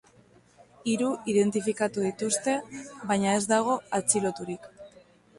Hiru identifikatu dituzte, baina ez dago atxiloturik.